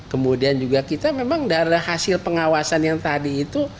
kemudian juga kita memang dari hasil pengawasan yang tadi itu